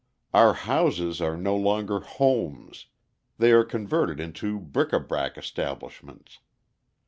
Our houses are no longer homes, they are converted into bric a brac establishments.